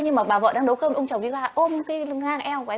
nhưng mà bà vợ đang nấu cơm ông chồng đi ra ôm cái ngang eo của anh